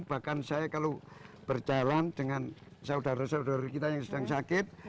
bahkan saya kalau berjalan dengan saudara saudara kita yang sedang sakit